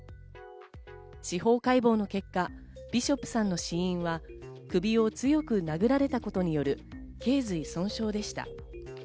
司法解剖の結果、ビショップさんの死因は首を強く殴られたことによる頸髄損傷でした。